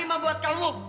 manjur lima buat kamu